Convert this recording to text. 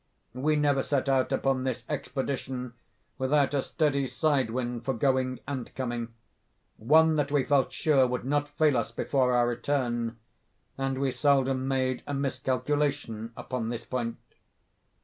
We never set out upon this expedition without a steady side wind for going and coming—one that we felt sure would not fail us before our return—and we seldom made a mis calculation upon this point.